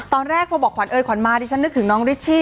ตอนแรกพอบอกขวัญเอยขวัญมาดิฉันนึกถึงน้องริชชี่